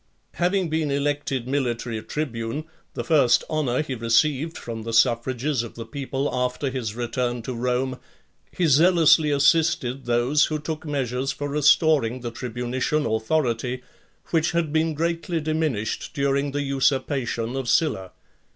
V. Having been elected military tribune, the first honour he received from the suffrages of the people after his return to Rome, he zealously assisted those who took measures for restoring the tribunitian authority, which had been greatly diminished during the usurpation of Sylla.